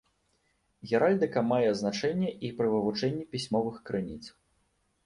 Геральдыка мае значэнне і пры вывучэнні пісьмовых крыніц.